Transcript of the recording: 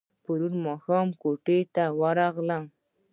پرون ماښام کوټې ته راغلم.